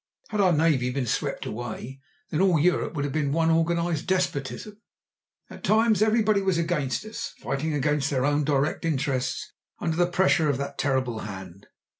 Had our navy been swept away, then all Europe would have been one organized despotism. At times everybody was against us, fighting against their own direct interests under the pressure of that terrible hand.